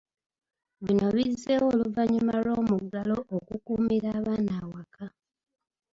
Bino bizewo oluvannyuma lw'omuggalo okukuumira abaana awaka.